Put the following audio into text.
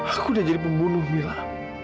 aku udah jadi pembunuh mila